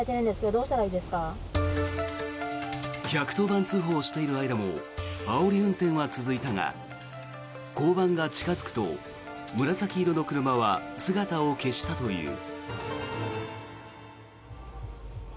１１０番通報している間もあおり運転は続いたが交番が近付くと紫色の車は姿を消したという。